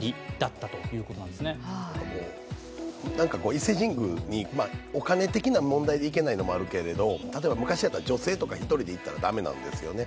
伊勢神宮にお金的な問題で行けないのもあるけど、例えば昔だったら女性とか１人で行ったら駄目なんですよね。